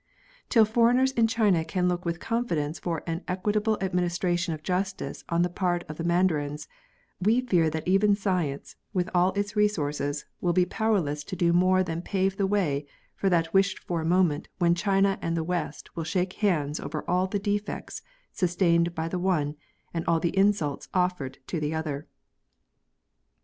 Till foreigners in China can look with conj&dence for an equitable administration of justice on the part of the mandarins, we fear that even science, with all its resources, will be powerless to do more than pave the way for that wished for moment when China and the West will shake hands over all the defeats sustained by the one, and all the insults offered to the other.